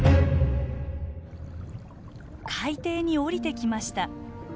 海底に下りてきました。